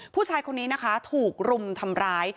ผู้ชายคนนี้นะคะถูกรุมทำร้าย